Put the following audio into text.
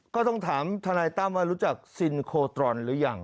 ก็ต้องถามทนายตั้มว่ารู้จักซินโคตรอนหรือยัง